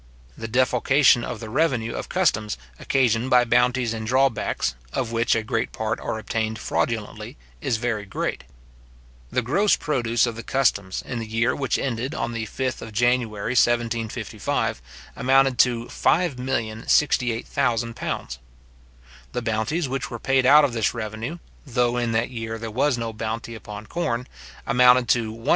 The defalcation of the revenue of customs occasioned by bounties and drawbacks, of which a great part are obtained fraudulently, is very great. The gross produce of the customs, in the year which ended on the 5th of January 1755, amounted to £5,068,000. The bounties which were paid out of this revenue, though in that year there was no bounty upon corn, amounted to £167,806.